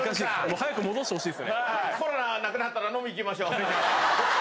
はいコロナなくなったら飲み行きましょうぜひ。